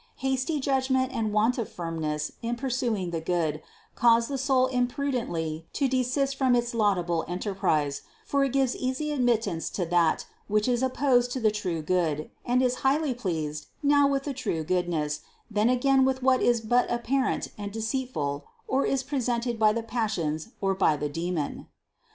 Hasty judgment and want of firmness in pursuing the good, cause the soul im prudently to desist from its laudable enterprise ; for it gives easy admittance to that, which is opposed to the true good, and is highly pleased, now with the true good ness, then again with what is but apparent and deceitful or is presented by the passions or by the demon.